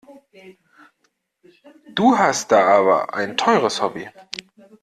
Du hast da aber ein teures Hobby.